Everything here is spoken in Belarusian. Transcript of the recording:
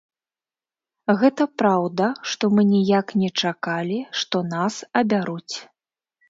Гэта праўда, што мы ніяк не чакалі, што нас абяруць.